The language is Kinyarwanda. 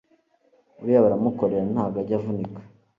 uriya baramukorera ntago ajya avunika